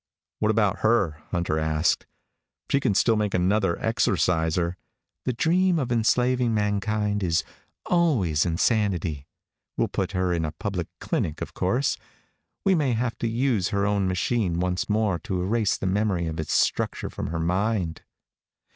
"What about her?" Hunter asked. "She can still make another Exorciser " "The dream of enslaving mankind is always insanity. We'll put her in a public clinic, of course. We may have to use her own machine once more to erase the memory of its structure from her mind.